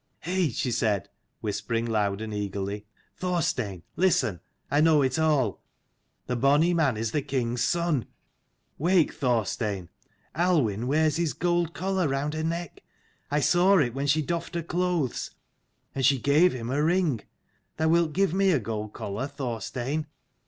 "Heigh!" she said, whispering loud and eagerly. "Thorstein, listen ! I know it all. The bonny man is the king's son. Wake, Thorstein! Aluinn wears his gold collar round her neck: I saw it when she doffed her clothes. And she gave him her ring. Thou wilt give me a gold collar, Thorstein?